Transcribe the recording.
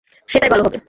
সেটাই ভালো হবে!